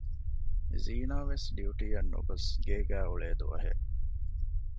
ޒީނާ ވެސް ޑިއުޓީއަށް ނުގޮސް ގޭގައި އުޅޭ ދުވަހެއް